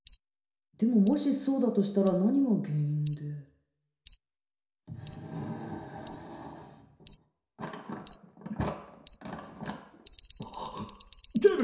でももしそうだとしたら何が原因であ警部！